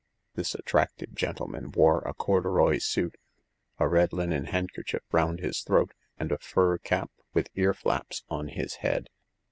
This attractive gentleman wore a corduroy suit, a red linen handkerchief round his throat, and a fur cap with earflaps on his head.